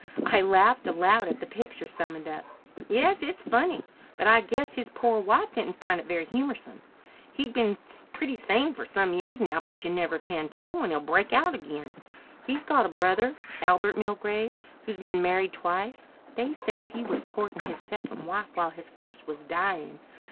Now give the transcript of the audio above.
I laughed aloud at the picture summoned up. "Yes, it's funny, but I guess his poor wife didn't find it very humorsome. He's been pretty sane for some years now, but you never can tell when he'll break out again. He's got a brother, Albert Milgrave, who's been married twice. They say he was courting his second wife while his first was dying.